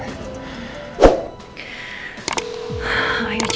ayuh cepet teleponnya angkat riki